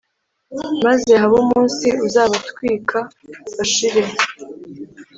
maze habe umunsi uzabatwika bashire